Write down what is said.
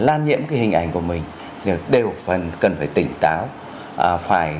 lan nhiễm cái hình ảnh của mình đều cần phải tỉnh táo phải